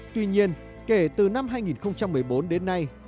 tuy nhiên kể từ năm hai nghìn một mươi bốn đến nay